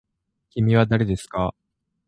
きみはだれですか。